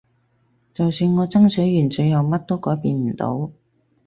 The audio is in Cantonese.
就算我爭取完最後乜都改變唔到